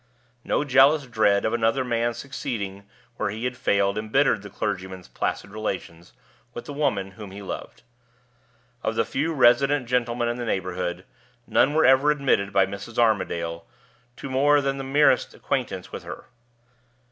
No jealous dread of another man's succeeding where he had failed imbittered the clergyman's placid relations with the woman whom he loved. Of the few resident gentlemen in the neighborhood, none were ever admitted by Mrs. Armadale to more than the merest acquaintance with her.